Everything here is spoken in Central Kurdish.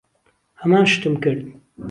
ھەمان شتم کرد.